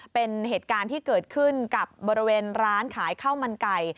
เป็นเหตุการณ์ที่เกิดขึ้นกับบริเวณร้านขายข้าวมันไก่